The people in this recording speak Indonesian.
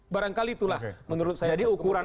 barangkali itulah menurut saya jadi ukuran